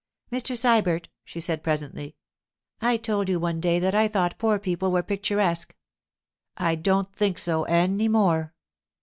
'Mr. Sybert,' she said presently, 'I told you one day that I thought poor people were picturesque, I don't think so any more.